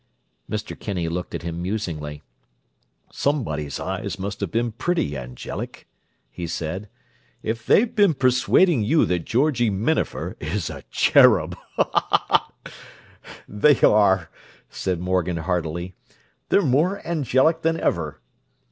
Mr. Kinney looked at him musingly. "Somebody's eyes must have been pretty angelic," he said, "if they've been persuading you that Georgie Minafer is a cherub!" "They are," said Morgan heartily. "They're more angelic than ever."